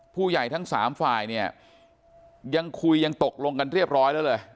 ผู้ใหญ่ทั้งสามฝ่ายเนี่ยยังคุยยังตกลงกันเรียบร้อยแล้วเลย